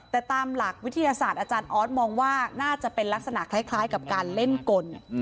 แต่ตามหลักวิทยาศาสตร์อาจารย์ออสมองว่าน่าจะเป็นลักษณะคล้ายกับการเล่นกล